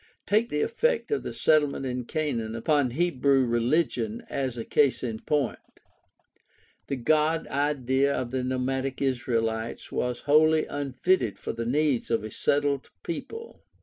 Take the effect of the settlement in Canaan upon Hebrew religion as a case in point. The God idea of the nomadic Israelites was wholly unfitted for the needs of a settled people.